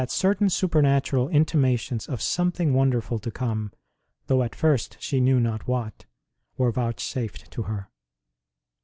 ROSE OF LIMA certain supernatural intimations of something wonderful to come though at first she knew not what were vouchsafed to her.